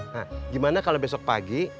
nah gimana kalau besok pagi